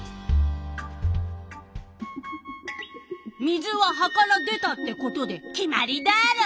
水は葉から出たってことで決まりダーロ！